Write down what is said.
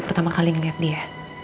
pertama kali ngeliat dia